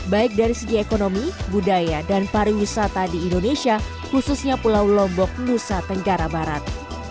baik dari segi ekonomi budaya dan pariwisata di indonesia khususnya pulau lombok nusa tenggara barat